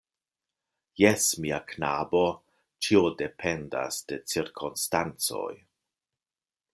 Jes, mia knabo; ĉio dependas de cirkonstancoj.